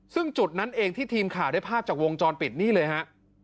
ซึ่งจุดนั้นเองที่ทีมข่าวได้ภาพจากวงจรปิดนี่เลยฮะ